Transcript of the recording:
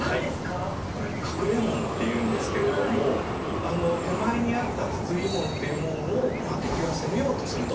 これ隠門っていうんですけれどもあの手前にあった筒井門っていう門をまあ敵は攻めようとすると。